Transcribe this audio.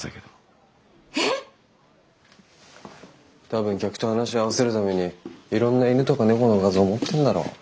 多分客と話を合わせるためにいろんな犬とか猫の画像持ってんだろう。